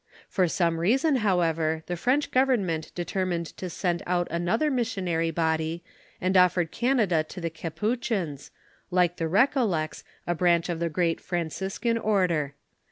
For some reason, however, the French government determined to send out another missionary body, and offered Canada to the Capuchins, like the Recollects, a bi.inch of the great Franciscan order.